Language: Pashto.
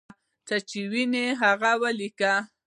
څه چې ویني هغه لیکي.